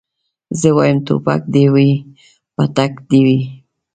زه وايم ټوپک دي وي پتک دي وي